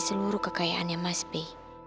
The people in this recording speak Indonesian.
seluruh kekayaannya mas be